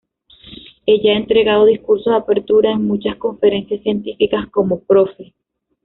Ella ha entregado discursos de apertura en muchas conferencias científicas como Prof.